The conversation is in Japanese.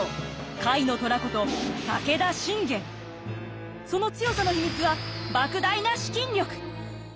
甲斐の虎ことその強さの秘密は莫大な資金力！